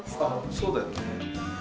そうだよね。